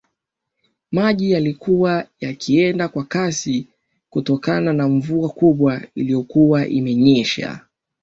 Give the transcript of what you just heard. Maji yalikuwa yakienda kwa kasi kutokana na mvua kubwa iliyokuwa imenyesha